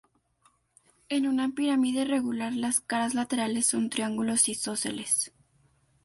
En una pirámide regular, las caras laterales son triángulos isósceles.